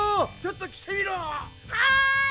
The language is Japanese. はい！